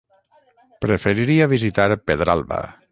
Preferiria visitar Pedralba.